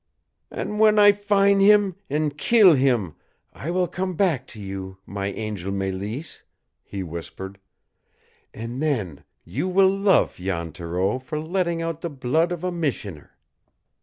"An' when I fin' heem an' kill heem, I will come back to you, my angel Mélisse," he whispered. "And then you will luf Jan Thoreau for letting out the blood of a missioner!"